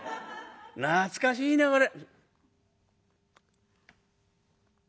懐かしいねこれ」。